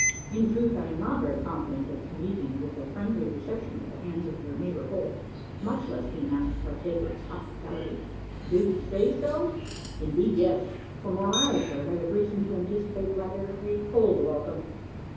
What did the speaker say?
In truth, I am not very confident of meeting with a friendly reception at the hands of your neighbour Holt much less being asked to partake of his hospitality." "D'ye say so?" "Indeed, yes. From what I have heard, I have reason to anticipate rather a cold welcome."